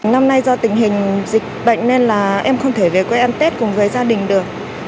năm nay do tình hình dịch bệnh nên là em không thể về quê ăn tết cùng với gia đình được